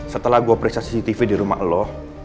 setelah gue periksa cctv di rumah allah